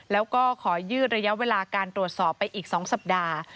แล้วก็ขอยืดระยะเวลาการตรวจสอบไปอีก๒สัปดาห์